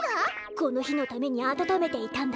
このひのためにあたためていたんだ。